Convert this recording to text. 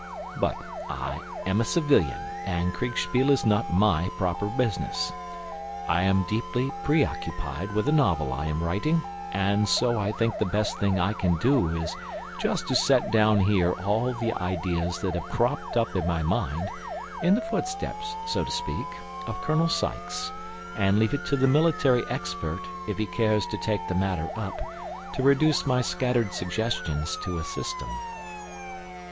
But I am a civilian, and Kriegspiel is not my proper business. I am deeply preoccupied with a novel I am writing, and so I think the best thing I can do is just to set down here all the ideas that have cropped up in my mind, in the footsteps, so to speak, of Colonel Sykes, and leave it to the military expert, if he cares to take the matter up, to reduce my scattered suggestions to a system.